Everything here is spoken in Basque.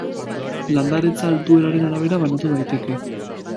Landaretza altueraren arabera banatu daiteke.